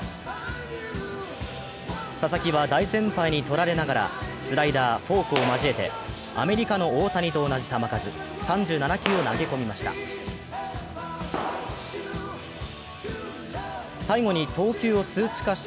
佐々木は大先輩に撮られながらスライダー、フォークを交えてアメリカの大谷と同じ球数、３７球を投げ込みました。